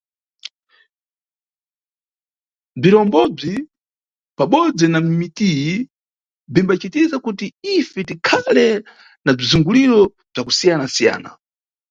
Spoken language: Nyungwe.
Bzirombobzi pabodzi na mitiyi bzimbacitisa kuti ife tikhale na bzizunguliro bza kusiyanasiyana.